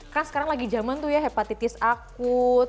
kan sekarang lagi zaman tuh ya hepatitis akut